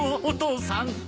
お父さん